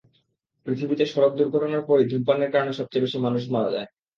পৃথিবীতে সড়ক দুর্ঘটনার পরই ধূমপানের কারণে সবচেয়ে বেশি মানুষ মারা যায়।